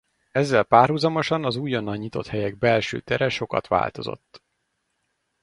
Ezzel párhuzamosan az újonnan nyitott helyek belső tere sokat változott.